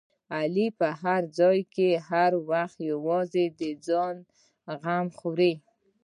علي په هر ځای او هر وخت کې یوازې د خپل ځان غمه خوري.